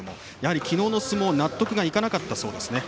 昨日の相撲納得がいかなかったそうです。